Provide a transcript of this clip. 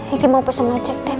ini mau pesen locek deh